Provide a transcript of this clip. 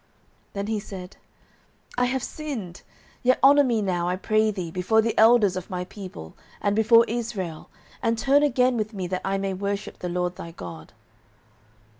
09:015:030 Then he said, I have sinned: yet honour me now, I pray thee, before the elders of my people, and before Israel, and turn again with me, that I may worship the LORD thy God.